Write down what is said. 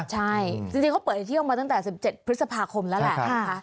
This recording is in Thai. ใช่จริงเขาเปิดเที่ยวมาตั้งแต่๑๗พฤษภาคมแล้วแหละนะคะ